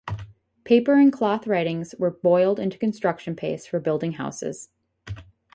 Paper and cloth writings were boiled into construction paste for building houses.